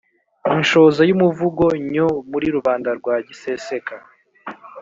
inshoza y’umuvugo nyo muri rubanda rwa giseseka